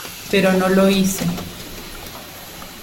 pero no lo hice.